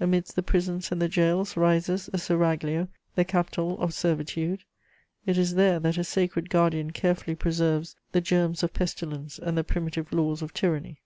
Amidst the prisons and the gaols rises a seraglio, the capitol of servitude: it is there that a sacred guardian carefully preserves the germs of pestilence and the primitive laws of tyranny."